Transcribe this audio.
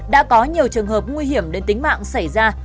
đã có nhiều trường hợp nguy hiểm đến tính mạng xảy ra